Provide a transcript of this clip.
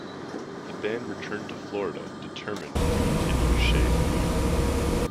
The band returned to Florida determined to continue Shai Hulud.